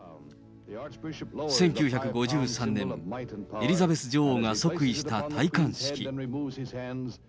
１９５３年、エリザベス女王が即位した戴冠式。